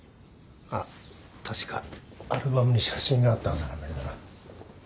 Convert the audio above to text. あっ確かアルバムに写真があったはずなんだけどな。